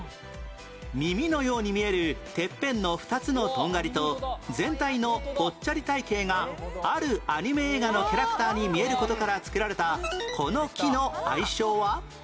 耳のように見えるてっぺんの２つのとんがりと全体のぽっちゃり体型があるアニメ映画のキャラクターに見える事から付けられたこの木の愛称は？